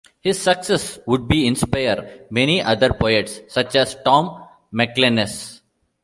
His success would be inspire many other poets, such as Tom MacInnes.